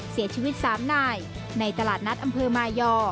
เสียชีวิต๓นายในตลาดนัดอำเภอมายอ